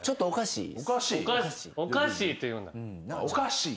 おかしい？